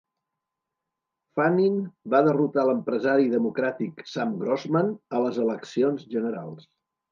Fannin va derrotar l"empresari democràtic Sam Grossman a les eleccions generals.